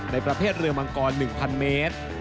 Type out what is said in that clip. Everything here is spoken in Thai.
ในประเภทเรือมังกร๑๐๐เมตร